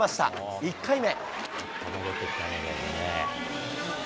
１回目。